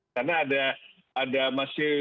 karena ada ada masih